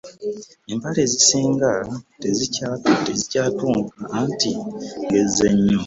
Empale ezisinga tezikyantuuka anti ngezze nnyo.